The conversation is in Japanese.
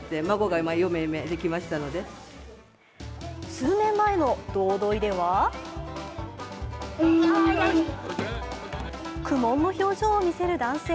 数年前のドウドイでは苦もんの表情を見せる男性。